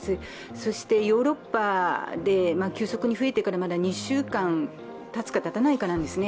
そしてヨーロッパで急速に増えてからまだ２週間たつかたたないかなんですね。